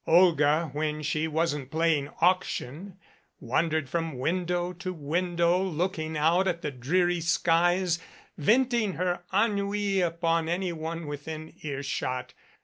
Olga, when she wasn't playing auction, wandered from window to window, looking out at the dreary skies, venting her en nui on anyone within earshot.